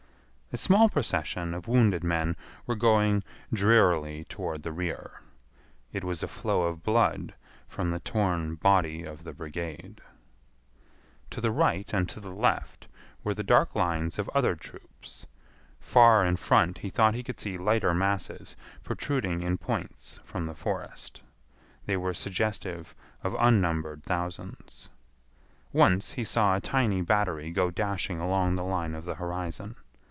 A small procession of wounded men were going drearily toward the rear. It was a flow of blood from the torn body of the brigade. To the right and to the left were the dark lines of other troops. Far in front he thought he could see lighter masses protruding in points from the forest. They were suggestive of unnumbered thousands. Once he saw a tiny battery go dashing along the line of the horizon.